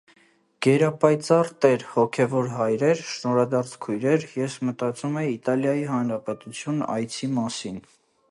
Գերապայծառ Տեր, հոգևոր հայրեր, շնորհադարձ քույրեր, ես մտածում էի Իտալիայի Հանրապետություն այցի մասին։